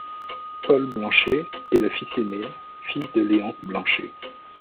Paul Blanchet est le fils aîné fils de Léonce Blanchet.